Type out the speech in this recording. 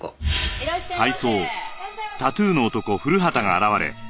いらっしゃいま。